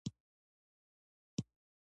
غزني د افغانستان د صنعت لپاره مواد برابروي.